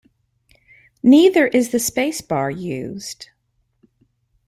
Neither is the spacebar used.